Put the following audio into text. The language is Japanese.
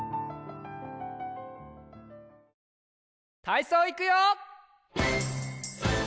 たいそういくよ！